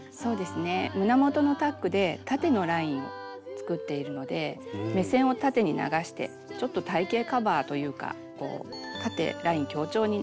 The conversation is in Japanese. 胸元のタックで縦のラインを作っているので目線を縦に流してちょっと体型カバーというか縦ライン強調になっています。